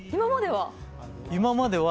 今までは？